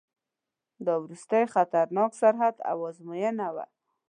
دا وروستی خطرناک سرحد او آزموینه وه.